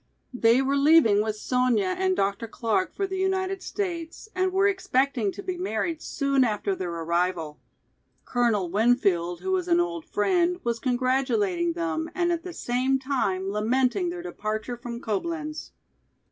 They were leaving with Sonya and Dr. Clark for the United States and were expecting to be married soon after their arrival. Colonel Winfield, who was an old friend, was congratulating them and at the same time lamenting their departure from Coblenz.